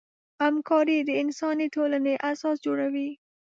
همکاري د انساني ټولنې اساس جوړوي.